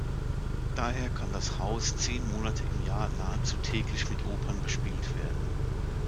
Daher kann das Haus zehn Monate im Jahr nahezu täglich mit Opern bespielt werden.